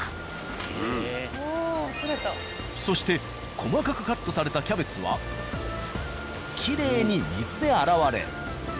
そして細かくカットされたキャベツはきれいに水で洗われ。